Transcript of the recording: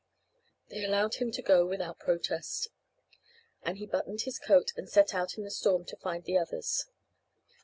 They allowed him to go without protest, and he buttoned his coat and set out in the storm to find the others.